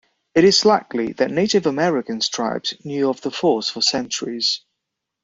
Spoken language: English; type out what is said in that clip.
It is likely that Native American tribes knew of the falls for centuries.